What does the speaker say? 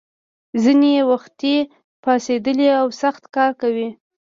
ځینې یې وختي پاڅېدلي او سخت کار کوي.